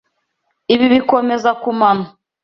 Ibi bikomeza kumano.